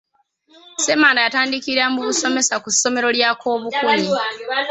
Ssemanda yatandikira mu busomesa ku ssomero lya Komukunyi.